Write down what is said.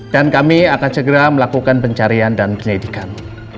dan kami akan segera melakukan pencarian dan penyelidikan